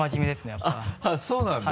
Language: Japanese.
あっそうなんだ。